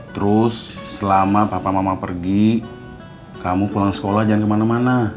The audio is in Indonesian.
terus selama papa mama pergi kamu pulang sekolah jangan kemana mana